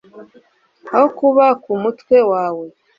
aho kuba ku mutwe wawe